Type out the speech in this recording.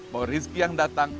bahwa rizki yang datang